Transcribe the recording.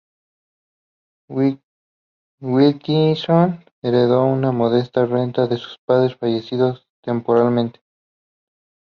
Wilkinson heredó una modesta renta de sus padres, fallecidos tempranamente.